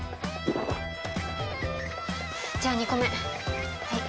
じゃあ２個目はい。